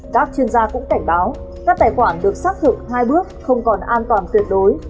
các chuyên gia cũng cảnh báo các tài khoản được xác thực hai bước không còn an toàn tuyệt đối